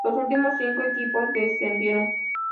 Los últimos cinco equipos descendieron.